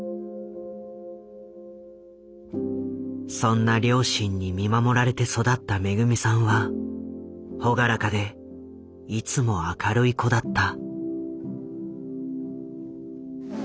そんな両親に見守られて育っためぐみさんは朗らかでいつも明るい子だった。